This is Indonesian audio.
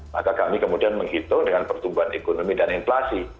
maka kami kemudian menghitung dengan pertumbuhan ekonomi dan inflasi